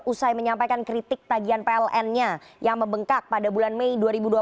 usai menyampaikan kritik tagian pln nya yang membengkak pada bulan mei dua ribu dua puluh